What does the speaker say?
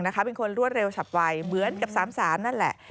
เป็นคนรวดเร็วฉับไวเหมือนกับ๓๓นั่นแหละ